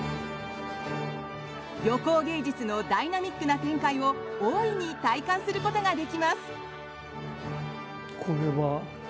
横尾芸術のダイナミックな展開を大いに体感することができます。